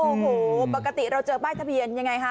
โอ้โหปกติเราเจอป้ายทะเบียนยังไงคะ